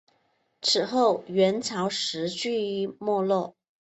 此后元朝时趋于没落。